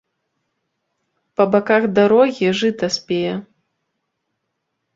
Па баках дарогі жыта спее.